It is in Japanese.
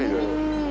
うん。